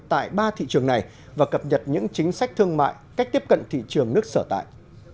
tại ba thị trường này và cập nhật những chính sách thương mại cách tiếp cận thị trường nước sở tại